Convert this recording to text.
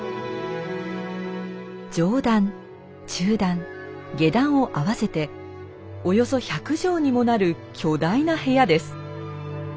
上段中段下段を合わせておよそ１００畳にもなる巨大な部屋です。